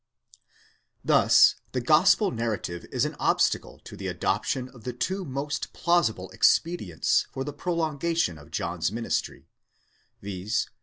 Thus the gospel narrative is an obstacle to the adoption of the two most plausible expedients for the prolongation of John's ministry, viz.